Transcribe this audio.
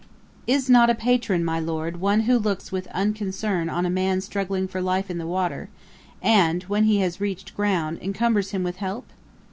'Is not a Patron, my Lord, one who looks with unconcern on a man struggling for life in the water, and, when he has reached ground, encumbers him with help?